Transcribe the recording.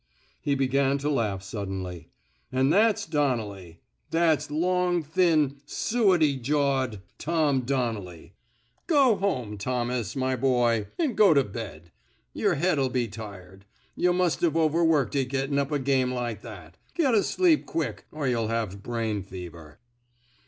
" He began to laugh suddenly. An' that's Donnelly! That's long, thin, suetty jawed, 93 n THE SMOKE EATERS Tom Donnelly. Go homOy Thomas, my boy, an' go to bed. Yer head'll be tired. Yuh must Ve overworked it gettin' up a game like that. Get asleep quick, er yuh '11 have brain fever."